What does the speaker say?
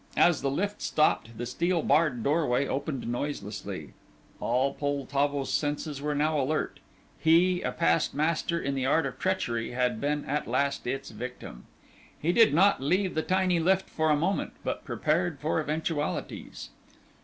As the lift stopped, the steel barred doorway opened noiselessly. All Poltavo's senses were now alert; he, a past master in the art of treachery, had been at last its victim. He did not leave the tiny lift for a moment, but prepared for eventualities.